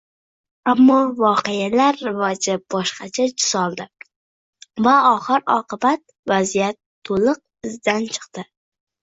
Ammo voqealar rivoji boshqacha tus oldi va oxir-oqibat vaziyat to‘liq izdan chiqdi.